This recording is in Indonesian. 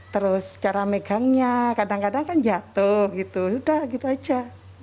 terus cara megangnya kadang kadang kan jatuh gitu sudah gitu aja